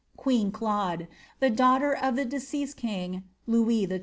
queen Claude, the daughter of the deceased king, Louis XII.